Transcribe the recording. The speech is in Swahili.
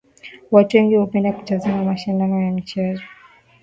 Watu wengi hupenda kutazama mashindano ya michezo